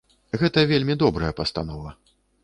Гэта вельмі добрая пастанова.